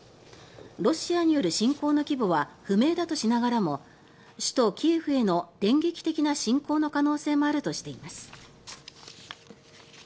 ロシアによる侵攻の規模は不明だとしながらも首都キエフへの電撃的な侵攻の可能性もあるとしています。